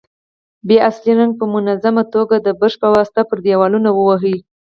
بیا اصلي رنګ په منظمه توګه د برش په واسطه پر دېوالونو ووهئ.